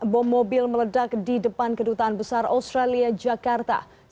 bom mobil meledak di depan kedutaan besar australia jakarta